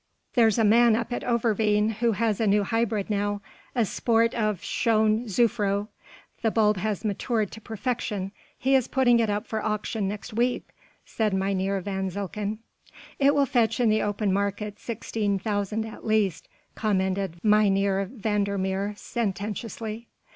"There's a man up at Overveen who has a new hybrid now, a sport of 'Schone Juffrouw' the bulb has matured to perfection, he is putting it up for auction next week," said Mynheer van Zilcken. "It will fetch in the open market sixteen thousand at least," commented Mynheer van der Meer sententiously.